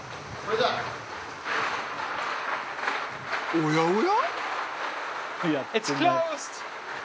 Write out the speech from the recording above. おやおや？